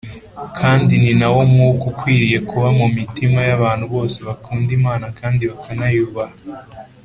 kandi ni nawo mwuka ukwiriye kuba mu mitima y’abantu bose bakunda imana kandi bakanayubaha.